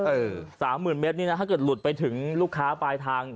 ๓๐๐๐เมตรนี่นะถ้าเกิดหลุดไปถึงลูกค้าปลายทาง